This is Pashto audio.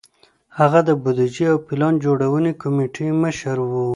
هغه د بودیجې او پلان جوړونې کمېټې مشر و.